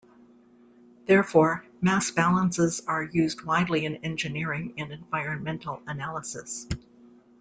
Therefore, mass balances are used widely in engineering and environmental analyses.